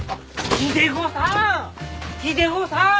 秀子さん！